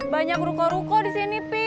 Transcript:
banyak ruko ruko disini pi